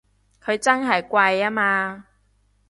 佢真係貴吖嘛！